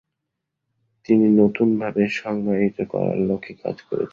তিনি নতুনভাবে সংজ্ঞায়িত করার লক্ষ্যে কাজ করেছিলেন।